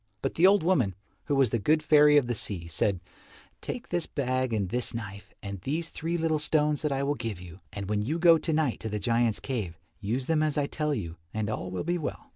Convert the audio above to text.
But the old woman, who was the good fairy of the sea, said, "Take this bag and this knife and these three little stones that I will give you, and when you go to night to the giants' cave, use them as I tell you and all will be well."